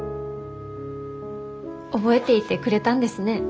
覚えていてくれたんですね